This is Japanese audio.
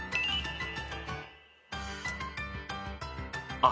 あっ。